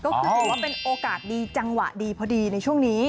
ก็คือถือว่าเป็นโอกาสดีจังหวะดีพอดีในช่วงนี้